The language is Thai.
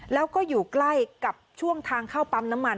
แล้วก็อยู่ใกล้กับช่วงทางเข้าปั๊มน้ำมัน